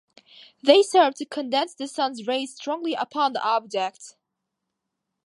They serve to condense the sun's rays strongly upon the object.